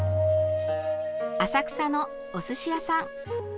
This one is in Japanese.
浅草のおすし屋さん。